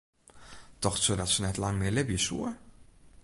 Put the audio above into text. Tocht se dat se net lang mear libje soe?